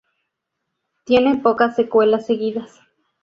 Tiene pocas secuelas seguidas.